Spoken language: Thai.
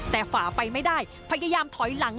แต่ฝาไปไม่ได้พยายามถอยหลัง